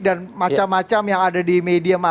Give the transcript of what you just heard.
dan macam macam yang ada di media masa